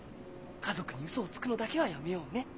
家族にウソをつくのだけはやめようね。